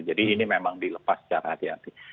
jadi ini memang dilepas secara hati hati